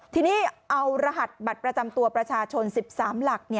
ทีนี้เอารหัสบัตรประจำตัวประชาชน๑๓หลัก